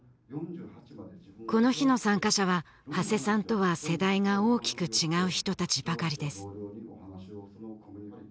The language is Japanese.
この日の参加者は長谷さんとは世代が大きく違う人たちばかりです